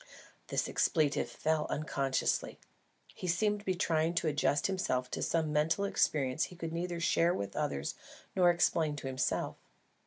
The expletive fell unconsciously. He seemed to be trying to adjust himself to some mental experience he could neither share with others nor explain to himself.